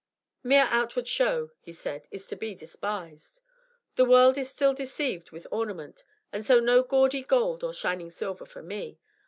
"Mere outward show," he said, "is to be despised. The world is still deceived with ornament, and so no gaudy gold or shining silver for me.